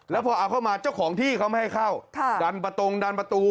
แล้วพอเอาเข้ามาเจ้าของที่เขาไม่ให้เข้าดันประตงดันประตู